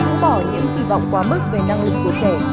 dũ bỏ những kỳ vọng quá mức về năng lực của trẻ